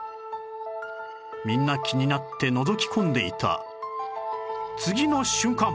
みんな気になってのぞき込んでいた次の瞬間